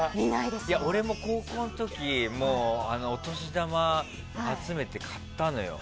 俺も高校の時お年玉を集めて買ったのよ。